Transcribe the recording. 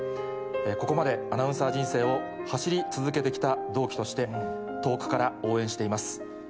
ここまで、アナウンサー人生を走り続けてきた同期として、遠くから応援しています。